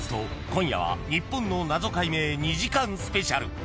今夜は日本の謎解明２時間スペシャル。